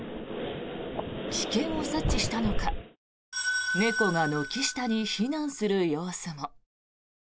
危険を察知したのか猫が軒下に避難する様子も。